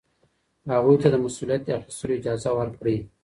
هغوی ته د مسؤلیت اخیستلو اجازه ورکړئ.